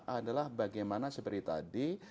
adalah bagaimana seperti tadi